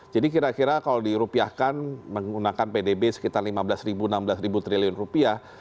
jadi kira kira kalau dirupiahkan menggunakan pdb sekitar lima belas enam belas triliun rupiah